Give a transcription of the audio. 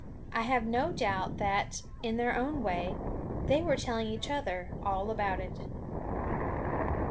I have no doubt that, in their own way, they were telling each other all about it.